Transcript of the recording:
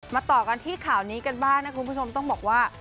ต่อกันที่ข่าวนี้กันบ้างนะคุณผู้ชมต้องบอกว่า